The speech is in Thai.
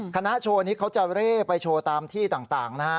คณะโชว์นี้เขาจะเร่ไปโชว์ตามที่ต่างนะฮะ